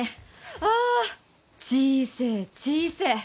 ア小せえ小せえ。